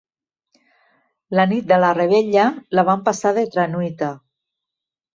La nit de la revetlla, la van passar de tranuita.